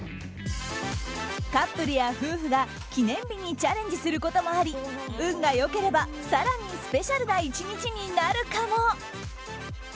カップルや夫婦が、記念日にチャレンジすることもあり運が良ければ更にスペシャルな１日になるかも。